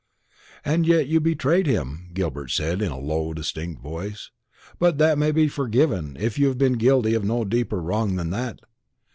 "And yet you betrayed him," Gilbert said in a low distinct voice. "But that may be forgiven, if you have been guilty of no deeper wrong than that.